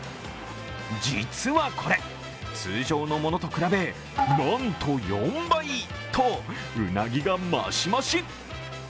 実はこれ、通常のものと比べ、なんと４倍とうなぎが増し増し。